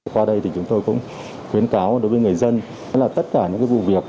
qua đây thì chúng tôi cũng khuyến cáo đối với người dân là tất cả những vụ việc